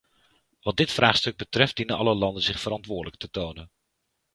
Wat dit vraagstuk betreft dienen alle landen zich verantwoordelijk te tonen.